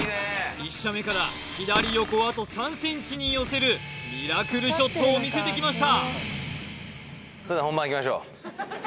１射目から左横あと３ｃｍに寄せるミラクルショットを見せてきました